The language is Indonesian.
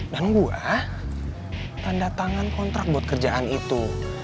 dan gue tanda tangan kontrak buat kerjaan itu